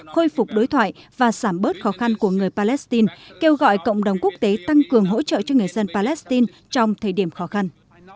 khôi phục đối thoại và giảm bớt khó khăn của người palestine kêu gọi cộng đồng quốc tế tăng cường hỗ trợ cho người dân palestine trong thời điểm khó khăn